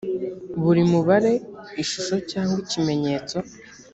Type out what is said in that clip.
buri mubare ishusho cyangwa ikimenyetso